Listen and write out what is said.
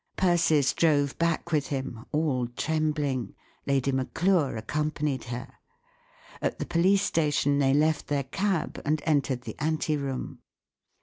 Persis drove back with him, all trem¬ bling* Lady Maclure accompanied her. At the police station they left their cab, and sp entered theante room.